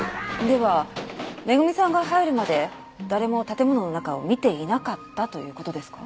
では恵さんが入るまで誰も建物の中を見ていなかったという事ですか？